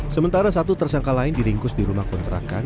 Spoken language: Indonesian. sementara satu tersangka lain diringkus di rumah kontrakan